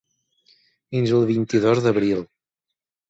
Fins al vint-i-dos d’abril.